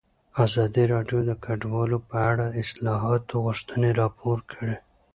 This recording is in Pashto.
ازادي راډیو د کډوال په اړه د اصلاحاتو غوښتنې راپور کړې.